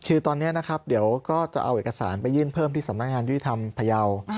คือตอนนี้นะครับเดี๋ยวก็จะเอาเอกสารไปยื่นเพิ่มที่สำนักงานยุติธรรมพยาว